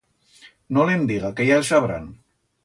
No le'n diga que ya el sabrán.